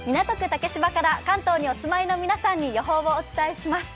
竹芝から関東にお住まいの皆さんに予報をお伝えします。